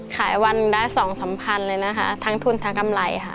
ขายวันได้สองสามพันเลยนะคะทั้งทุนทั้งกำไรค่ะ